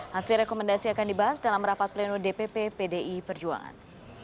hasil rekomendasi akan dibahas dalam rapat pleno dpp pdi perjuangan